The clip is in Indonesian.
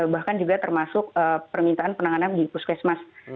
bahkan juga termasuk permintaan penanganan di puskesmas